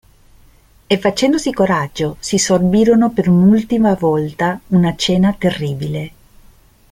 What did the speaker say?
E, facendosi coraggio, si sorbirono per un'ultima volta una cena terribile.